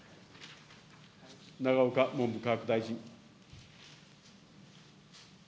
永岡文部科学大臣。